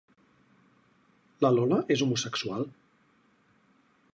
La Lola és homosexual?